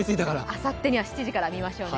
あさってには７時から見ましょうね。